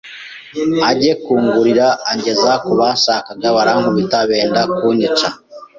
ajye kungurira angeza ku banshakaga barankubita benda kunyica